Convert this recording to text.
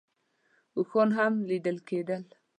اوښان هم لیدل کېدل.